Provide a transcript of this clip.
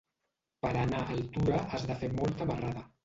Per anar a Altura has de fer molta marrada.